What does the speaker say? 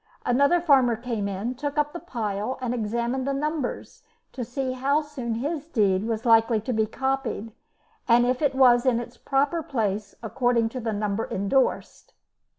Another farmer came in, took up the pile and examined the numbers to see how soon his deed was likely to be copied, and if it was in its proper place according to the number endorsed.